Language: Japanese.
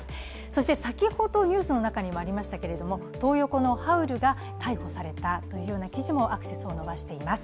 そして先ほどニュースの中にもありましたけれども、トー横のハウルが逮捕されたという記事もアクセスを伸ばしています。